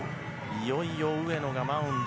いよいよ上野がマウンド。